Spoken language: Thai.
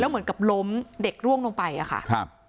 เหมือนกับล้มเด็กร่วงลงไปอะค่ะครับ